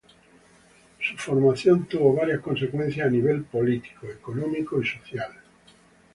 Su formación tuvo varias consecuencias a nivel político, económico y social.